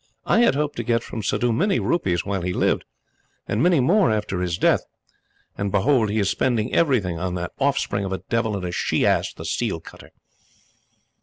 I had hoped to get from Suddhoo many rupees while he lived, and many more after his death; and behold, he is spending everything on that offspring of a devil and a she ass, the seal cutter!"